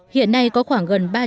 hiện nay có khoảng gần ba triệu